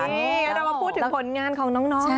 นี่เรามาพูดถึงผลงานของน้อง